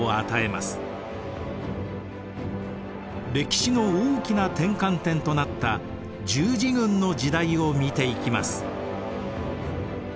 歴史の大きな転換点となった十字軍の時代を見ていきます。